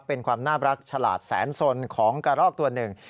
เป็นความน่ารักฉลาดแสนสนของกระรอกตัวหนึ่ง